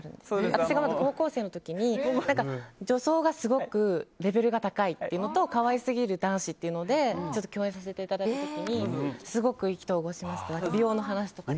私がまだ高校生だったころに女装がすごくレベルが高いっていうのと可愛すぎる男子というので共演させていただいた時にすごく意気投合して美容の話とか。